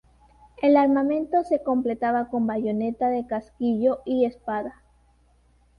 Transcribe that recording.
El armamento se completaba con bayoneta de casquillo y espada.